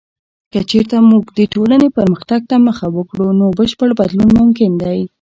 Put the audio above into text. که چیرته موږ د ټولنې پرمختګ ته مخه وکړو، نو بشپړ بدلون ممکن دی.